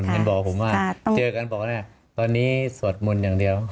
เจอกันบอกเนี่ยตอนนี้สวดมนต์อย่างเดียว